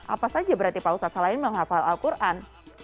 apa saja berarti pak ustadz selain menghafal al quran